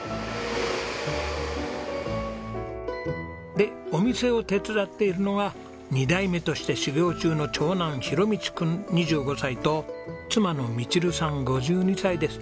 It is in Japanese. でお店を手伝っているのが２代目として修業中の長男大路君２５歳と妻のミチルさん５２歳です。